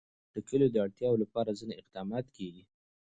د کلیو د اړتیاوو لپاره ځینې اقدامات کېږي.